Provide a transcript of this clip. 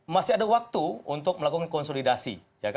masih ada waktu untuk melakukan konsolidasi